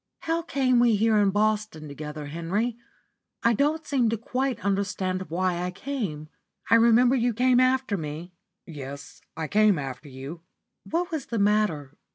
"How came we here in Boston together, Henry? I don't seem to quite understand why I came. I remember you came after me?" "Yes, I came after you." "What was the matter?